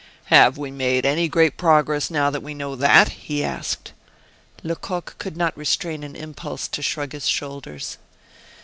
"Have we made any great progress now that we know that?" he asked. Lecoq could not restrain an impulse to shrug his shoulders.